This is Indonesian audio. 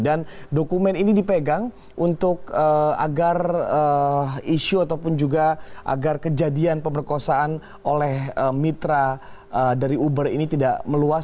dan dokumen ini dipegang untuk agar isu ataupun juga agar kejadian pemerkosaan oleh mitra dari uber ini tidak meluas